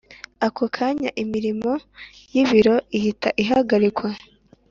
ako kanya imirimo y’ ibiro ihita ihagarikwa